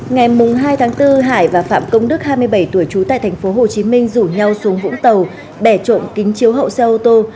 ngày hai tháng bốn hải và phạm công đức hai mươi bảy tuổi chú tại tp hồ chí minh rủ nhau xuống vũng tàu bẻ trộm kính chiếu hậu xe ô tô